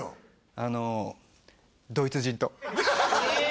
あのドイツ人とええー！